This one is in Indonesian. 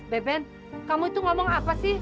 beben kamu itu ngomong apa sih